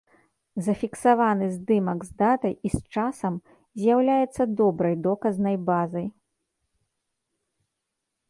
Зафіксаваны здымак з датай і з часам з'яўляецца добрай доказнай базай.